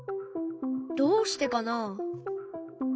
どうしてかな？